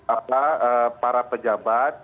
apa para pejabat